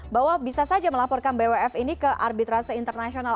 bahwa bisa saja melaporkan bwf ini ke arbitrase internasional